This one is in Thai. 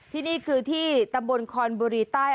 ที่นี่คือที่ตำบลคอนบุรีใต้